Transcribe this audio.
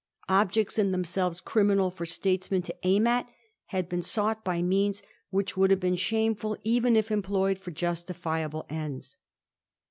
Objects in themselves criminal for statesmen to aim at had been sought by means which would have been shameful even if employed for justifiable ends.